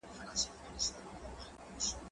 زه له سهاره مېوې راټولوم!.